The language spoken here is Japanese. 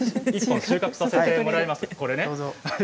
１本収穫させてもらいます。